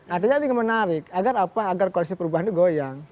artinya ini menarik agar apa agar koalisi perubahan ini goyang